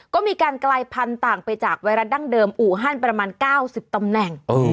ก็มีการกลายพันธุ์ต่างไปจากไวรัสดั้งเดิมอู่ฮั่นประมาณ๙๐ตำแหน่ง